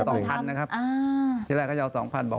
ตอนนั้นหละครับตอนที่ให้ส่างเขา๑๐๐๐